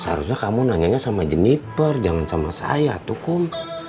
seharusnya kamu nanyanya sama jenipper jangan sama saya atukum